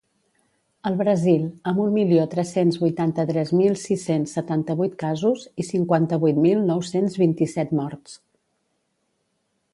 El Brasil, amb un milió tres-cents vuitanta-tres mil sis-cents setanta-vuit casos i cinquanta-vuit mil nou-cents vint-i-set morts.